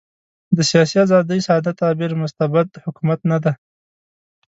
د سیاسي آزادۍ ساده تعبیر مستبد حکومت نه دی.